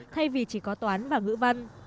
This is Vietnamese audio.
thay vì chỉ có toán và ngữ văn